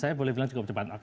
saya boleh bilang cukup cepat